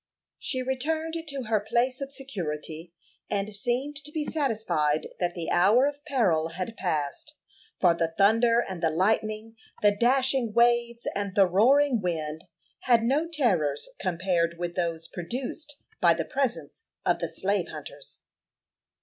She returned to her place of security, and seemed to be satisfied that the hour of peril had passed, for the thunder and the lightning, the dashing waves and the roaring wind, had no terrors compared with those produced by the presence of the slave hunters.